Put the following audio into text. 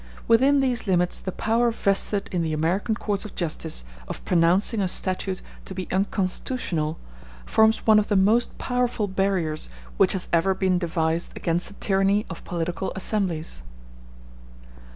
Within these limits the power vested in the American courts of justice of pronouncing a statute to be unconstitutional forms one of the most powerful barriers which has ever been devised against the tyranny of political assemblies.